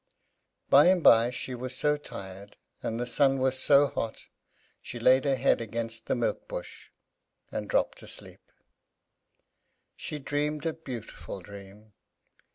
By and by she was so tired, and the sun was so hot, she laid her head against the milk bush, and dropped asleep. She dreamed a beautiful dream.